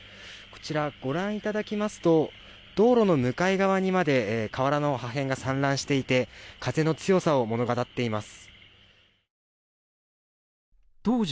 こちらご覧いただきますと、道路の向かい側にまで瓦の破片が散乱していて、風の強さを物語っています。